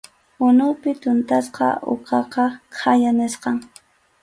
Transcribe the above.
Unupi tuntasqa uqaqa khaya nisqam.